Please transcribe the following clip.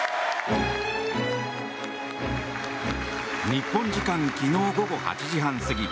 日本時間昨日午後８時半過ぎ